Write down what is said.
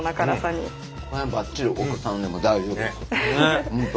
これはばっちりお子さんでも大丈夫ですよ本当。